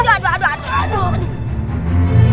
aduh aduh aduh aduh